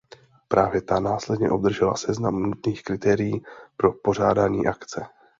Právě ta následně obdržela seznam nutných kritérií pro pořádání akce.